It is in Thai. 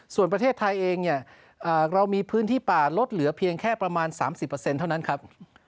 ส่วนประเทศไทยเองเนี่ยเรามีพื้นที่ป่าลดเหลือเพียงแค่ประมาณ๓๐เท่านั้นครับ